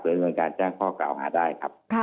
และเป็นบริษัทการแจ้งข้อเกราะหาได้ครับ